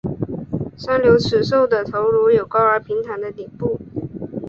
三瘤齿兽类的头颅有高而平坦的顶部。